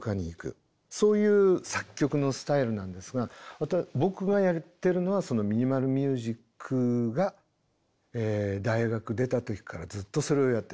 そういう作曲のスタイルなんですが僕がやってるのはそのミニマル・ミュージックが大学出た時からずっとそれをやってます。